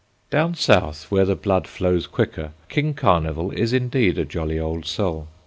Down South, where the blood flows quicker, King Carnival is, indeed, a jolly old soul.